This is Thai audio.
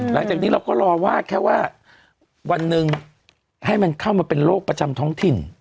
หลังจากนี้เราก็รอว่าแค่ว่าวันหนึ่งให้มันเข้ามาเป็นโรคประจำท้องถิ่น